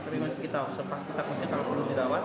tapi masih kita observasi takutnya kalau perlu dirawat